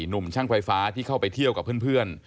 หนุ่มช่างไฟฟ้าที่เข้าไปเที่ยวกับเพื่อน